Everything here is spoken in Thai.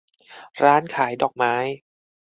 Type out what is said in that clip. ร้านขายดอกไม้